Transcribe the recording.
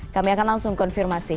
kami akan langsung konfirmasi